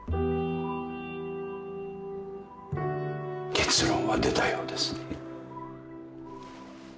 結論は出たようですね。